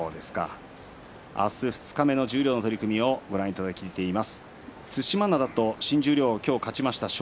明日二日目の十両の取組をご覧いただいています。